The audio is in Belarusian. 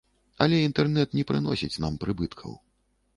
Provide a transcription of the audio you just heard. Але інтэрнэт не прыносіць нам прыбыткаў.